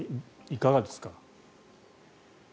いかがですか。